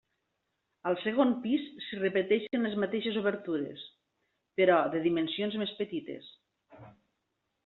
Al segon pis s'hi repeteixen les mateixes obertures, però, de dimensions més petites.